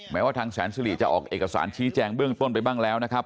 แม้ว่าทางแสนสิริจะออกเอกสารชี้แจงเบื้องต้นไปบ้างแล้วนะครับ